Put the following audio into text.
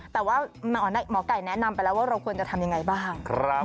แต่ว่าหมอไก่แนะนำไปแล้วว่าเราควรจะทำยังไงบ้าง